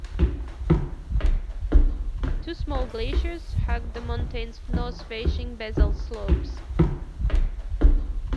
Two small glaciers hug the mountain's north-facing basalt slopes.